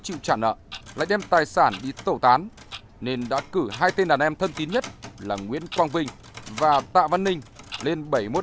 được triển khai với quyết tâm cao nhất